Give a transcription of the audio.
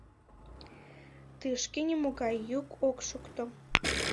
Тышке нимогай йӱк ок шокто.